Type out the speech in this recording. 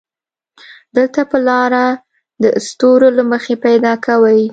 دلته به لاره د ستورو له مخې پيدا کوې.